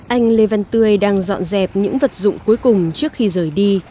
anh lê văn tươi đang dọn dẹp những vật dụng cuối cùng trước khi rời đi